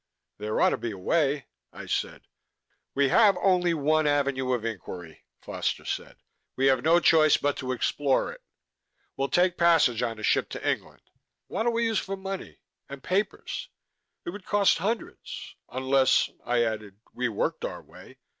"There ought to be a way...." I said. "We have only one avenue of inquiry," Foster said. "We have no choice but to explore it. We'll take passage on a ship to England " "What'll we use for money and papers? It would cost hundreds. Unless " I added, " we worked our way.